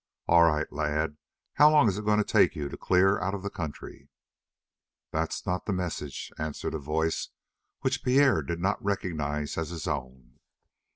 "All right, lad. How long is it going to take you to clear out of the country?" "That's not the message," answered a voice which Pierre did not recognize as his own.